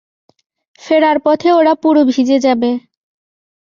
ফেরার পথে ওরা পুরো ভিজে যাবে।